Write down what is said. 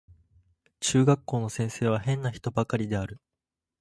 中学校の先生は変な人ばかりである